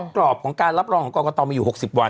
ของการรับรองของกรกฎตอนมีอยู่หกสิบวัน